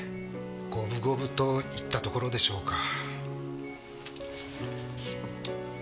五分五分といったところでしょうか。